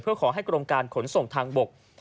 เพื่อขอให้กรมการขนส่งทางบก